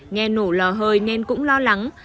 nghe nổ lò hơi nên cũng lo lắng